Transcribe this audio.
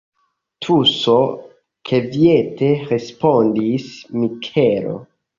Tuso, kviete respondis Mikelo.